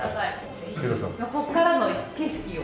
ぜひここからの景色を。